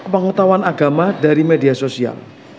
pengetahuan agama dari media sosial